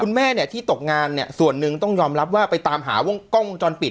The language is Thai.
แม่เนี่ยที่ตกงานเนี่ยส่วนหนึ่งต้องยอมรับว่าไปตามหาวงกล้องวงจรปิด